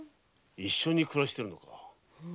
一緒に暮らしてるのか？